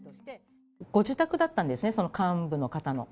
ご自宅だったんですね、その幹部の方の。